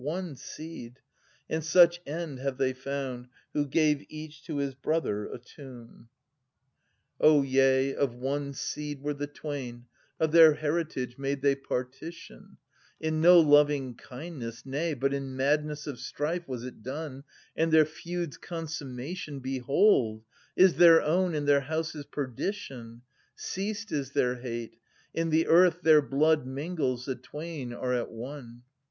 930 One seed — and such end have they found, who gave each to his brother a tomb ! 42 JESCHYL US. {Sir. 4) O yea, of one seed were the twain, of their heritage made they partition : In no lovingkindness, nay, but in madness of strife was it done ; And their feud*s consummation, behold, is their own and their house's perdition : Ceased is their hate: in the earth their blood mingles, the twain are at one.